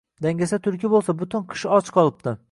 Dangasa Tulki bo’lsa butun qish och qolibdi